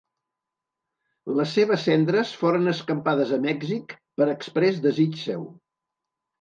Les seves cendres foren escampades a Mèxic per exprés desig seu.